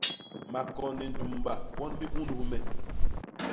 Makon ni ndumbba gwon biunus nye.